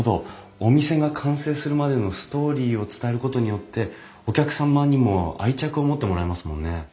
お店が完成するまでのストーリーを伝えることによってお客様にも愛着を持ってもらえますもんね。